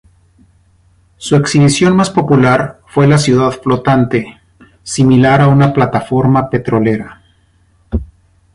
Su exhibición más popular fue la Ciudad Flotante; similar a una plataforma petrolera.